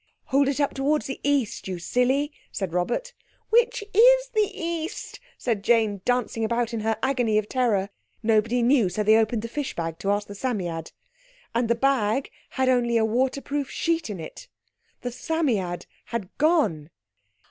"Hold it up towards the East, you silly!" said Robert. "Which is the East?" said Jane, dancing about in her agony of terror. Nobody knew. So they opened the fish bag to ask the Psammead. And the bag had only a waterproof sheet in it. The Psammead was gone.